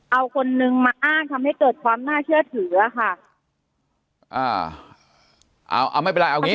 เอาคนนึงมาอ้างทำให้เกิดความน่าเชื่อถืออ่ะค่ะอ่าเอาเอาไม่เป็นไรเอางี้